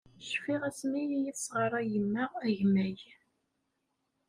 Cfiɣ asmi i yi-tesɣaṛay yemma agemmay.